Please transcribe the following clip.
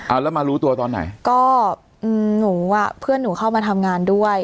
เอาแล้วมารู้ตัวตอนไหนก็อืมหนูอ่ะเพื่อนหนูเข้ามาทำงานด้วย